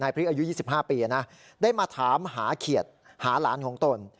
พริกอายุ๒๕ปีนะได้มาถามหาเขียดหาหลานของตน